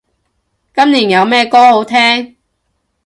今年冇咩歌好聼